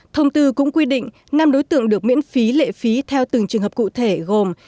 thông tư cũng quy định năm đối tượng được miễn phí lệ phí theo từng trường hợp cụ thể gồm